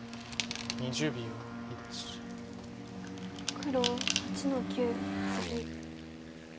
黒８の九ツギ。